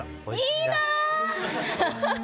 いいなあ！